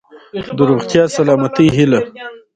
د روغتیا ،سلامتۍ هيله .💡